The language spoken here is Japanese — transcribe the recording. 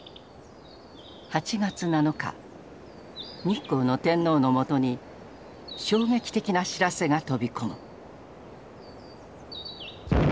日光の天皇のもとに衝撃的な知らせが飛び込む。